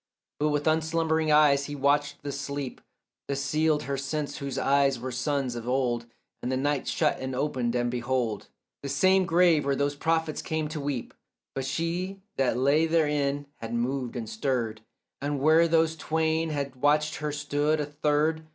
But with unslumbering eyes he watched the sleep That sealed her sense whose eyes were suns of old; And the night shut and opened, and behold, The same grave where those prophets came to weep, But she that lay therein had moved and stirred, And where those twain had watched her stood a third.